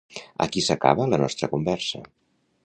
Aquí s'acaba la nostra conversa.